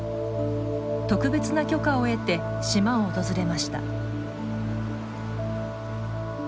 特別な許可を得て島を訪れました。